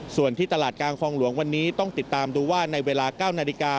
ส่วนที่ตลาดกลางคลองหลวงวันนี้ต้องติดตามดูว่าในเวลา๙นาฬิกา